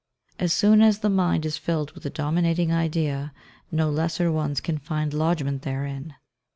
As soon as the mind is filled with a dominating idea, no lesser ones can find lodgment therein.